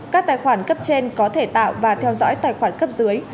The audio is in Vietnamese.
các tài khoản cấp trên có thể tạo và theo dõi tài khoản cấp dưới